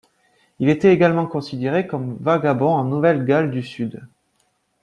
Il est également considéré comme vagabond en Nouvelle-Galles du Sud.